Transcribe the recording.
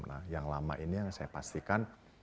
nah yang lama ini yang saya pastikan